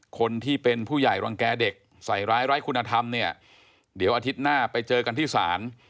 คนที่เป็นผู้ใหญ่รังแก่เด็กใส่ร้ายไร้คุณธรรมเนี่ยเดี๋ยวอาทิตย์หน้าไปเจอกันที่ศาล